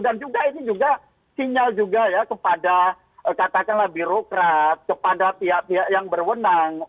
dan juga ini juga sinyal juga ya kepada katakanlah birokrat kepada pihak pihak yang berwenang